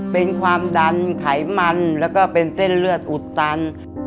เป็นความดันไขมันแล้วก็เป็นเส้นเลือดอุดตัน